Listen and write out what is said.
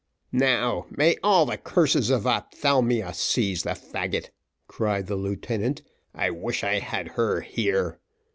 "Now, may all the curses of ophthalmia seize the fagot," cried the lieutenant; "I wish I had her here.